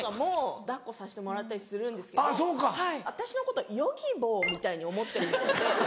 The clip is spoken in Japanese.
私のことＹｏｇｉｂｏみたいに思ってるみたいで。